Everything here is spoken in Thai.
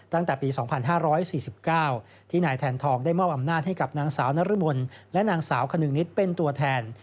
ตั้งแต่ปี๒๕๔๙ที่นายแทนทองได้มอบอำนาจให้กับนางสาวนรมนและนางสาวคนึงนิดเป็นตัวแทน